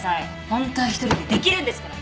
ホントは一人でできるんですから！